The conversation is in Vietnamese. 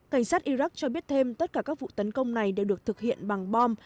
cảnh sát iraq cho biết thêm tất cả các vụ tấn công này đều được thực hiện bằng bom